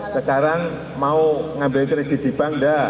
sekarang mau ngambil kredit di bank tidak